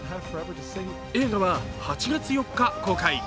映画は８月４日公開。